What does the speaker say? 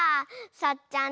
さっちゃん